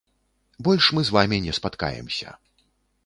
Больш мы з вамі не спаткаемся.